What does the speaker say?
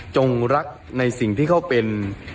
รักในสิ่งที่เขาเป็น